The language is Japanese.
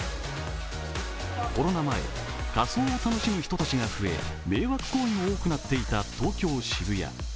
コロナ前、仮装を楽しむ人たちが増え迷惑行為も多くなっていた東京・渋谷。